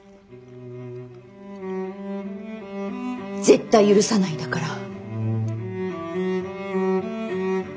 絶対許さないんだから。